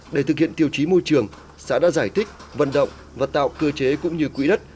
để thực hiện tiêu chí môi trường xã đã giải thích vận động và tạo cơ chế cũng như quỹ đất